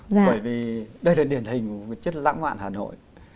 bởi vì đây là điển hình rất là lãng hoạn hà nội